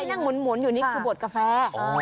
นั่งหมุนอยู่นี่คือบดกาแฟ